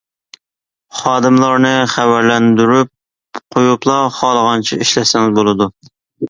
خادىملارنى خەۋەرلەندۈرۈپ قويۇپلا، خالىغانچە ئىشلەتسىڭىز بولىدۇ.